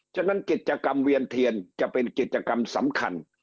ฉะนั้นกิจกรรมเวียนเทียนจะเป็นกิจกรรมสำคัญ